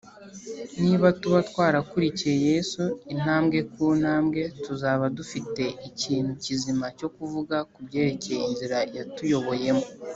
ni tuba twarakurikiye yesu intambwe ku ntambwe, tuzaba dufite ikintu kizima cyo kuvuga ku byerekeye inzira yatuyoboyemo